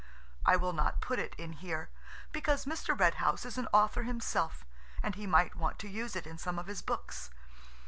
I will not put it in here, because Mr. Red House is an author himself, and he might want to use it in some of his books.